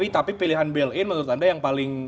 tapi pilihan bail in menurut anda yang paling